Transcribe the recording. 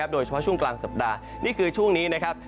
โดยเฉพาะช่วงกลางสัปดาห์นี่คือช่วงนี้นะครับ